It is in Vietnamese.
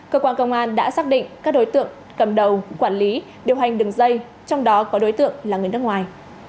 cơ quan công an đã xác định các đối tượng cầm đầu quản lý điều hành đường dây trong đó có đối tượng là người nước ngoài